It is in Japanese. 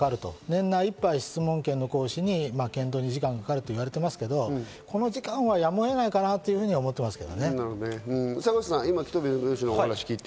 年内いっぱい質問権の行使に検討に時間がかかると言われていますけど、この時間はやむを得な坂口さん、いかがですか？